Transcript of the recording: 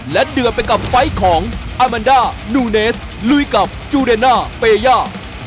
และเดือดไปกับไฟล์ของอามันด้านูเนสลุยกับจูเดน่าเปย่า